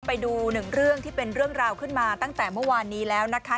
ไปดูหนึ่งเรื่องที่เป็นเรื่องราวขึ้นมาตั้งแต่เมื่อวานนี้แล้วนะคะ